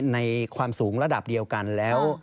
ในความสูงระดับเดียวกันแล้ว